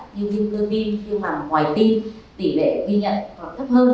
như viêm cơ tim nhưng mà ngoài tim tỷ lệ ghi nhận còn thấp hơn